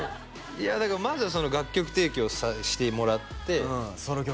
いやだからまずは楽曲提供してもらってソロ曲？